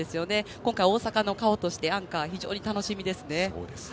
今回は大阪の顔としてアンカー、非常に楽しみです。